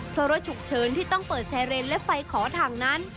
เพราะรถฉุกเฉินที่ต้องเปิดไซเรนและไฟขอทางนั้น